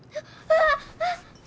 ああ。